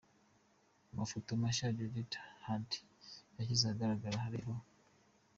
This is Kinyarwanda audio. Mu mafoto mashya ya Judith Heard yashyizwe ahagaraga, hari aho .